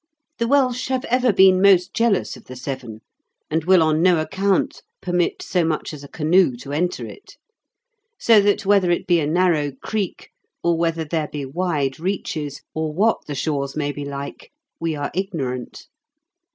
The Welsh have ever been most jealous of the Severn, and will on no account permit so much as a canoe to enter it. So that whether it be a narrow creek, or whether there be wide reaches, or what the shores may be like, we are ignorant.